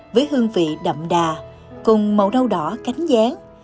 với hương vị đậm đà cùng màu đau đỏ cánh dáng